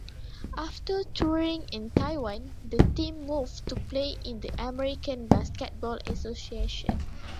After touring in Taiwan, the team moved to play in the American Basketball Association.